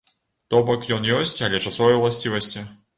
То бок ён ёсць, але часовай уласцівасці.